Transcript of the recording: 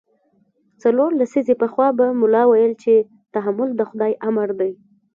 څلور لسیزې پخوا به ملا ویل چې تحمل د خدای امر دی.